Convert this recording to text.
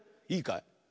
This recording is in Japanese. いいかい？